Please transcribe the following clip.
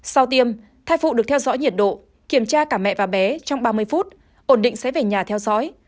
sau tiêm thai phụ được theo dõi nhiệt độ kiểm tra cả mẹ và bé trong ba mươi phút ổn định sẽ về nhà theo dõi